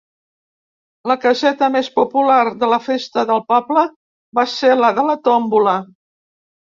La caseta més popular de la festa del poble va ser la de la tómbola.